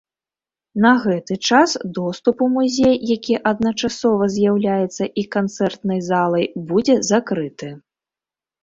На гэты час доступ у музей, які адначасова з'яўляецца і канцэртнай залай, будзе закрыты.